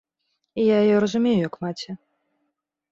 І я яе разумею як маці.